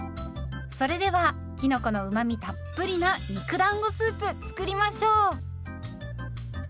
それではきのこのうまみたっぷりな肉だんごスープ作りましょう。